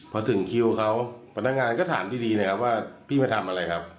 พอถึงคิวเขาพนักงานก็ถามดีเลยครับว่าพี่มาทำอะไรครับ